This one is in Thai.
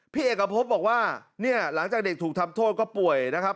พี่เอกพบบอกว่าเนี่ยหลังจากเด็กถูกทำโทษก็ป่วยนะครับ